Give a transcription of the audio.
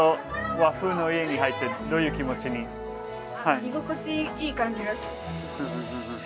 居心地いい感じが。